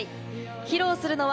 披露するのは。